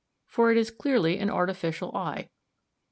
19), for it is clearly an artificial eye.